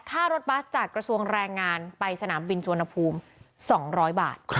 รถบัสจากกระทรวงแรงงานไปสนามบินสุวรรณภูมิ๒๐๐บาท